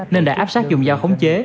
nên đã áp sát dùng dao khống chế